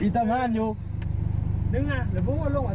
พี่ทำทำอายุนะ